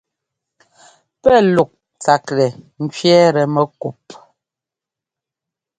Pɛ́ luk tsaklɛ cwiɛ́tɛ mɛkup.